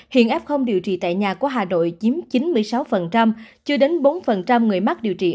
hiện f điều trị tại nhà của hà nội chiếm chín mươi sáu chưa đến bốn người mắc điều trị